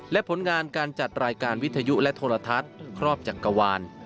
และผลงานการจัดรายการวิทยุและโทรทัศน์ครอบจักรวาล